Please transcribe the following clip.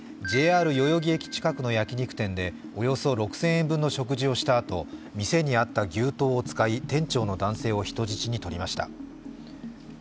代々木駅近くの焼き肉店でおよそ６０００円分の食事をしたあと呂店にあった牛刀を使い店長の男性を人質に取りました。